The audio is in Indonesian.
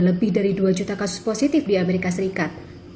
lebih dari dua juta kasus positif di amerika serikat